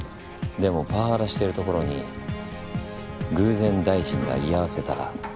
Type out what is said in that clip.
でもパワハラしてるところに偶然大臣が居合わせたら？